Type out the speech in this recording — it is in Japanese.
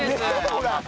ほら！